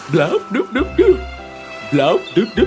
blah blub blub blub blah blub blub blub